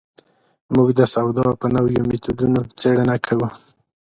موږ د سودا په نویو مېتودونو څېړنه کوو.